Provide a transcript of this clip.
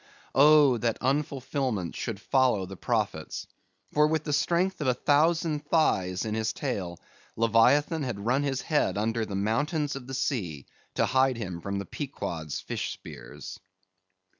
Oh! that unfulfilments should follow the prophets. For with the strength of a thousand thighs in his tail, Leviathan had run his head under the mountains of the sea, to hide him from the Pequod's fish spears!